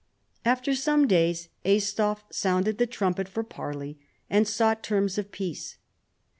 After some days Aistulf sounded the trumpet for parley, and sought terras of peace.